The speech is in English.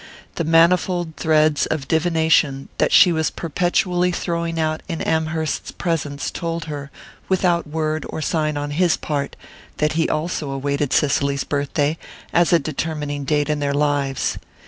The manifold threads of divination that she was perpetually throwing out in Amherst's presence told her, without word or sign on his part, that he also awaited Cicely's birthday as a determining date in their lives.